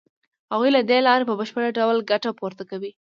هغوی له دې لارې په بشپړ ډول ګټه پورته کوي